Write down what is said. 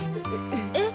えっ！？